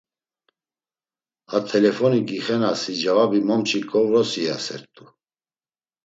A telefoni gixenasi cevabi momçiǩo vorsi iyasert̆u.